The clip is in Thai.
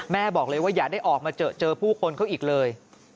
แม่บอกเลยว่าอย่าได้ออกมาเจอผู้คนเขาอีกเลย